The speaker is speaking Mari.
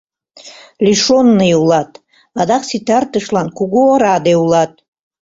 — Лишённый улат, адак ситартышлан кугу ораде улат!